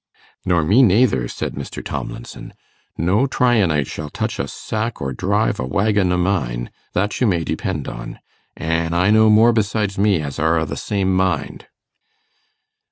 'Nor me nayther,' said Mr. Tomlinson. 'No Tryanite shall touch a sack or drive a waggon o' mine, that you may depend on. An' I know more besides me as are o' the same mind.